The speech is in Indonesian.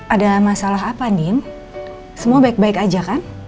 ada masalah apa din semua baik baik aja kan